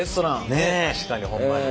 確かにほんまに。